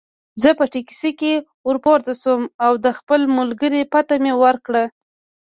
زه په ټکسي کې ورپورته شوم او د خپل ملګري پته مې ورکړه.